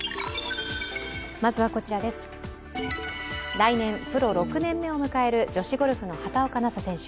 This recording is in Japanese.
来年、プロ６年目を迎える女子ゴルフの畑岡奈紗選手。